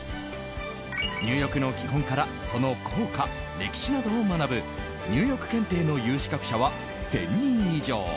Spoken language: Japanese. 入浴の基本から、その効果歴史などを学ぶ、入浴検定の有資格者は１０００人以上。